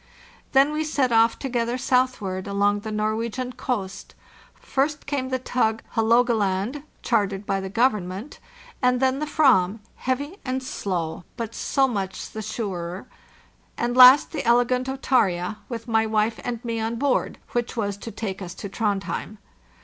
Then we set off together southward along the Nor wegian coast. First came the tug Haalogaland, char tered by the government; then the Fram, heavy and slow, but so much the surer; and last the elegant O/arza, with my wife and me on board—which was to take us to Trondhjem.